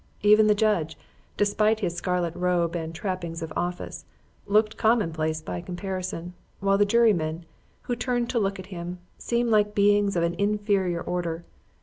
Even the judge, despite his scarlet robe and trappings of office, looked commonplace by comparison, while the jurymen, who turned to look at him, seemed like beings of an inferior order.